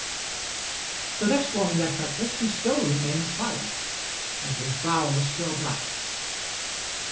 The next morning at breakfast he still remained silent, and his brow was still black.